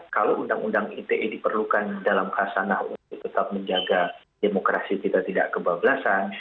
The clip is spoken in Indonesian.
kalau undang undang ite diperlukan dalam kasanah untuk tetap menjaga demokrasi kita tidak kebablasan